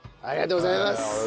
ありがとうございます！